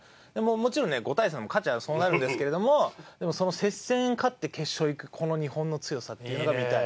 もちろんね５対３も勝てばそうなるんですけれどもでも接戦勝って決勝いく日本の強さっていうのが見たい。